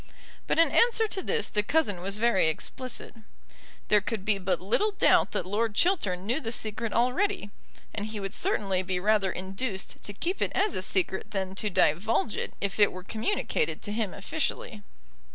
But in answer to this the cousin was very explicit. There could be but little doubt that Lord Chiltern knew the secret already; and he would certainly be rather induced to keep it as a secret than to divulge it if it were communicated to him officially.